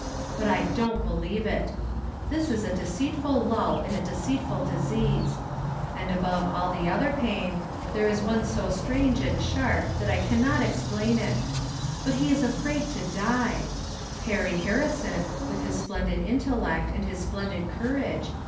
But I don't believe it ! This is a deceitful lull in a deceitful disease. And above all the other pain, 66 From Different Standpoints. there is one so strange and sharp, that I can not explain it. But he is afraid to die ! Perry Har rison, with his splendid intellect and his splendid courage!